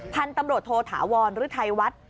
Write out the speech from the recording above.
ท่านตำรวจโทษฐาวรหรือไทยวัด